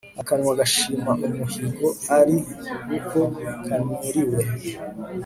akanwa gashima umuhigo ari uko kanuriwe